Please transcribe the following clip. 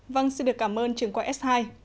vâng xin được cảm ơn trường quả s hai